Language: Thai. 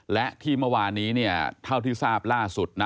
และที่เมื่อวานนี้เท่าที่ทราบล่าสุดนะ